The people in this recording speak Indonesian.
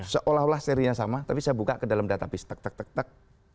seolah olah serinya sama tapi saya buka ke dalam database tek tek tek tek